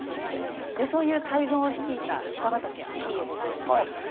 でそういう大軍を率いた北畠顕家ですけれども実は